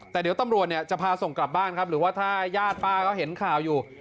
แต่เดี๋ยวตำรวจเนี่ยจะพาส่งกลับบ้านครับหรือว่าถ้าญาติป้าก็เห็นข่าวอยู่